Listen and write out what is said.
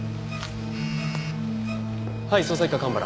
はい捜査一課蒲原。